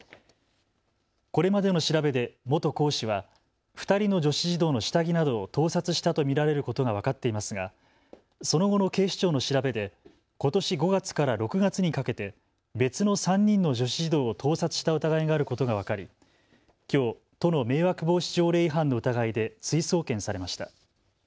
これまでの調べで元講師は２人の女子児童の下着などを盗撮したと見られることが分かっていますが、その後の警視庁の調べでことし５月から６月にかけて別の３人の女子児童を盗撮した疑いがあることが分かり、きょう都の迷惑防止条例違反の疑いで追送検されました。